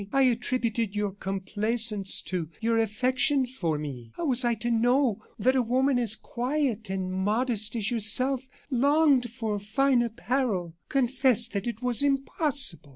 I attributed your complaisance to your affection for me. How was I to know that a woman as quiet and modest as yourself longed for fine apparel. Confess that it was impossible.